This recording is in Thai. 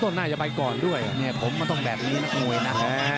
น่าจะไปก่อนด้วยเนี่ยผมก็ต้องแบบนี้นักมวยนะ